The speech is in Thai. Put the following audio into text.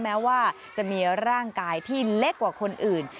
แม้ว่าจะมีร่างกายที่เล็กกว่าคนอื่น